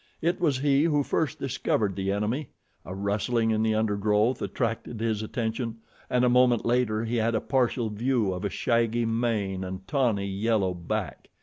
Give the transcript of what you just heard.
It was he who first discovered the enemy. A rustling in the undergrowth attracted his attention, and a moment later he had a partial view of a shaggy mane and tawny yellow back.